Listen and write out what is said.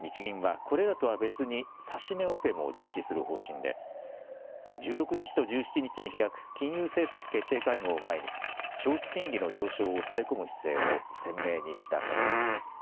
日銀はこれらとは別に指値オペをも実施する方針で１６日と１７日に開く金融政策決定会合を前に長期金利の上昇を抑え込む姿勢を鮮明にした形です。